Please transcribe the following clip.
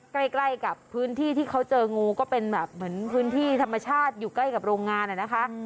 ใกล้กับพื้นที่ที่เขาเจองูก็เป็นแบบเหมือนพื้นที่ธรรมชาติอยู่ใกล้กับโรงงานนะคะ